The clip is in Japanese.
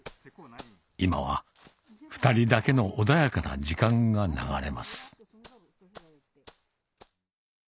今は２人だけの穏やかな時間が流れます